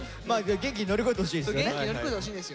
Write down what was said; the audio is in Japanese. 元気に乗り越えてほしいんですよ。